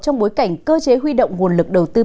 trong bối cảnh cơ chế huy động nguồn lực đầu tư